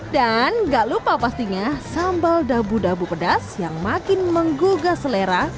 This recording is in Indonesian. dan gak lupa pastinya sambal dabu dabu pedas yang makin menggugah selera